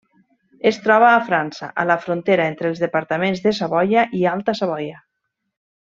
Es troba a França, a la frontera entre els departaments de Savoia i Alta Savoia.